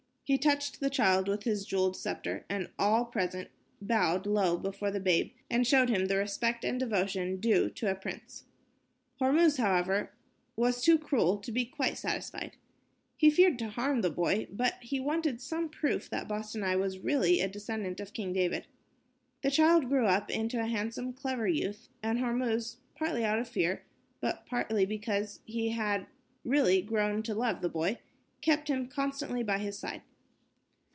He touched the child with his jeweled scepter and all present bowed low before the babe and showed him the respect and devotion due to a prince. Hormuz, however, was too cruel to be quite satisfied. He feared to harm the boy, but he wanted some proof that Bostanai was really a descendant of King David. The child grew up into a handsome, clever youth, and Hormuz, partly out of fear, but partly because he had really grown to love the boy, kept him constantly by his side.